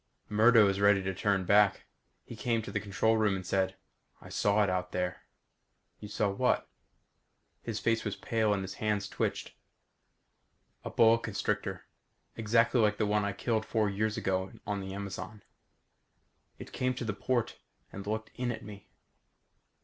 Murdo is ready to turn back. He came to the control room and said, "I saw it out there." "You saw what?" His face was pale and his hands twitched. "A boa constrictor. Exactly like the one I killed four years ago on the Amazon. It came to the port and looked in at me."